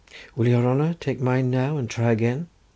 "Will your honour take mine now, and try again?"